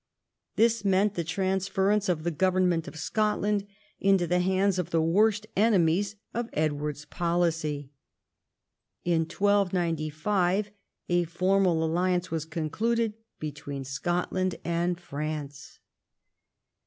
This meant the transference of the government of Scotland into the hands of the Avorst enemies of Edward's policy. In 1295 a formal alliance was concluded betAveen Scotland and France.